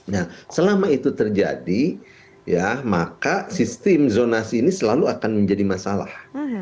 nah selama itu terjadi ya maka sistem zonasi ini selalu akan menjadi masalah